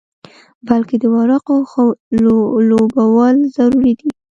بلکې د ورقو ښه لوبول ضروري دي.